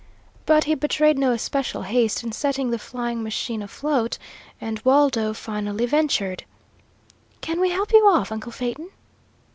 But he betrayed no especial haste in setting the flying machine afloat and Waldo finally ventured: "Can we help you off, uncle Phaeton?"